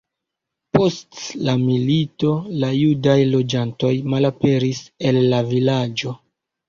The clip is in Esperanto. Post la milito la judaj loĝantoj malaperis el la vilaĝo.